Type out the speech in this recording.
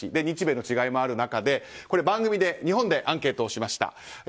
日米の違いもある中で、番組で日本でアンケートしました。